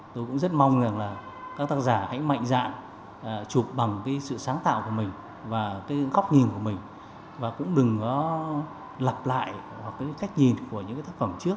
tôi cũng rất mong rằng là các tác giả hãy mạnh dạng chụp bằng cái sự sáng tạo của mình và cái góc nhìn của mình và cũng đừng có lặp lại hoặc cái cách nhìn của những cái tác phẩm trước